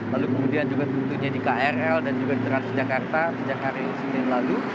lalu kemudian juga tentunya di krl dan juga di transjakarta sejak hari senin lalu